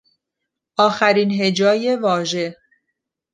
آخرین هجای واژه